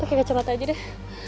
oke kacau mata aja deh